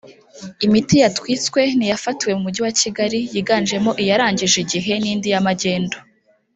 Imiti yatwitswe ni iyafatiwe mu Mujyi wa Kigali yiganjemo iyarangije igihe n’indi ya magendu